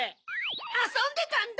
あそんでたんだ！